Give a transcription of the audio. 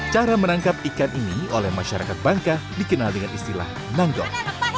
cara menangkap ikan ini oleh masyarakat bangka dikenal dengan istilah nanggok